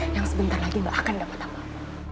yang sebentar lagi gak akan dapat apa